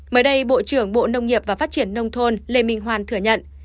mới đây bộ trưởng bộ nông nghiệp và phát triển nông thôn lê minh hoan thừa nhận